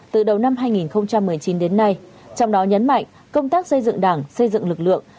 từ đầu năm hai nghìn một mươi chín đến nay trong đó nhấn mạnh công tác xây dựng đảng xây dựng lực lượng